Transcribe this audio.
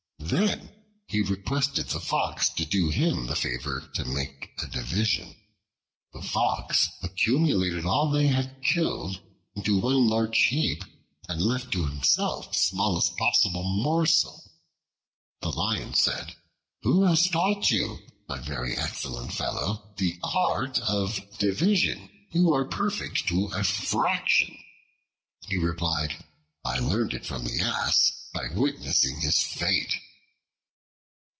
Then he requested the Fox to do him the favor to make a division. The Fox accumulated all that they had killed into one large heap and left to himself the smallest possible morsel. The Lion said, "Who has taught you, my very excellent fellow, the art of division? You are perfect to a fraction." He replied, "I learned it from the Ass, by witnessing his fate."